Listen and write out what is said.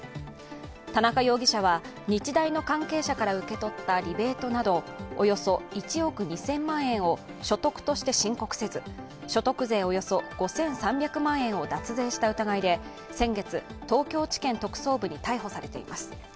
田中容疑者は日大の関係者から受け取ったリベートなどおよそ１億２０００万円を所得として申告せず所得税およそ５３００万円を脱税した疑いで先月、東京地検特捜部に逮捕されています。